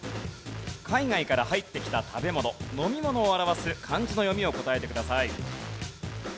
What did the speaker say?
海外から入ってきた食べ物飲み物を表す漢字の読みを答えてください。